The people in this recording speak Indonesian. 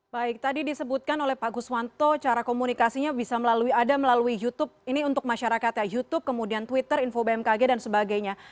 baik tadi disebutkan oleh pak guswanto cara komunikasinya bisa melalui ada melalui youtube ini untuk masyarakat ya youtube kemudian twitter info bmkg dan sebagainya